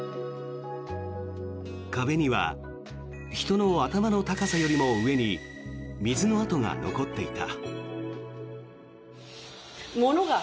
壁には人の頭の高さよりも上に水の跡が残っていた。